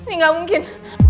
ini gak mungkin